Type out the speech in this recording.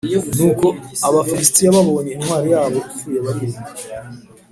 Nuko Abafilisitiya babonye intwari yabo ipfuye bariruka.